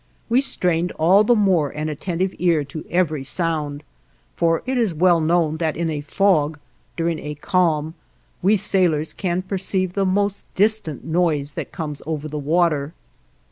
We strained all the more an attentive ear to every sound; for it is well known that in a fog, during a calm, we sailors can perceive the most distant noise that comes over the water.